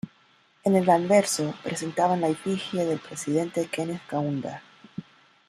En el anverso presentaban la efigie del presidente Kenneth Kaunda.